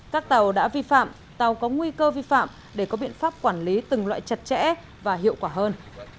các tàu đã vi phạm tàu có nguy cơ vi phạm để có biện pháp quản lý từng loại chặt chẽ và hiệu quả hơn